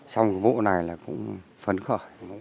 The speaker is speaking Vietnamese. xong vụ này là cũng phấn khởi